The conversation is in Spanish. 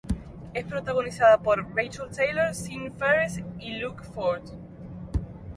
Es protagonizada por Rachael Taylor, Sean Faris, y Luke Ford.